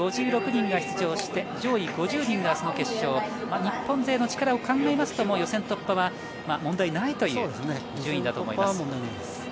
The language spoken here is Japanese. ５６人が出場して上位５０人が明日の決勝を日本勢の力を考えますと、予選突破は問題ないという順位だと思います。